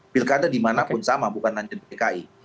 pilkada dimanapun sama bukan hanya dki